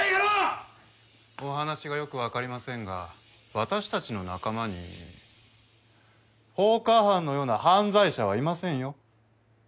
お話がよくわかりませんが私たちの仲間に放火犯のような犯罪者はいませんよ。